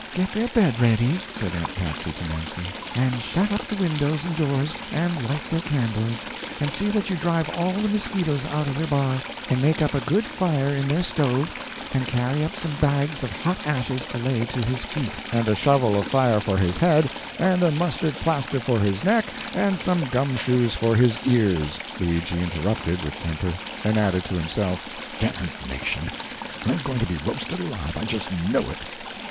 "Get their bed ready," said Aunt Patsy to Nancy, "and shut up the windows and doors, and light their candles, and see that you drive all the mosquitoes out of their bar, and make up a good fire in their stove, and carry up some bags of hot ashes to lay to his feet "" and a shovel of fire for his head, and a mustard plaster for his neck, and some gum shoes for his ears," Luigi interrupted, with temper; and added, to himself, "Damnation, I'm going to be roasted alive, I just know it!"